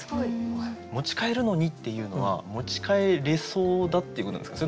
「持ち帰るのに」っていうのは持ち帰れそうだっていうことですか？